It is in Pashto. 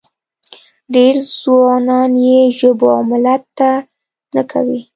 ډېر ځوانان یې ژبو او ملت ته نه کوي.